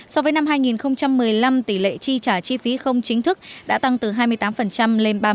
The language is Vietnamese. so với năm hai nghìn một mươi năm tỷ lệ chi trả chi phí không chính thức đã tăng từ hai mươi tám lên ba mươi